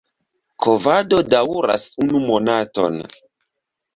Kovado daŭras unu monaton.